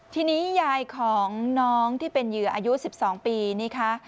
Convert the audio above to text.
ทีนี้ยายของน้องที่เป็นเหยื่ออายุ๑๒ปีนี่คะ